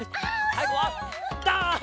さいごはダンク！